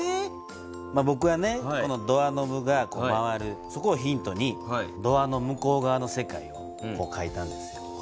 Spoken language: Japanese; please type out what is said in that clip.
ぼくはこのドアノブがこう回るそこをヒントにドアの向こう側の世界をかいたんですよ。